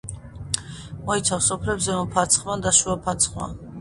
მოიცავს სოფლებს ზემო ფარცხმა და შუა ფარცხმა.